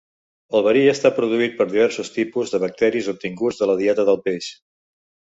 El verí està produït per diversos tipus de bacteris obtinguts de la dieta del peix.